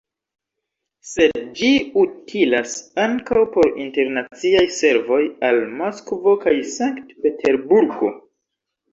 Sed ĝi utilas ankaŭ por internaciaj servoj al Moskvo kaj Sankt-Peterburgo.